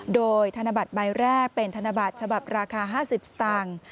โดยธนบัตรใบแรกเป็นธนบัตรฉบับราคา๕๐สตางค์